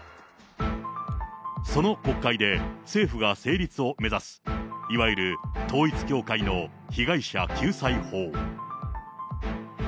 その国会で政府が成立を目指すいわゆる統一教会の被害者救済法。